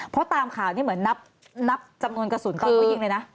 เพราะตามข่าวนี่เหมือนนับจำนวนกระสุนตอนเขายิงเลยนะ